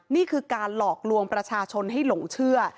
นี่คือการหลอกลวงประชาชนให้หลงเชื่อ